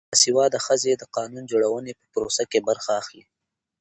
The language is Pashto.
باسواده ښځې د قانون جوړونې په پروسه کې برخه اخلي.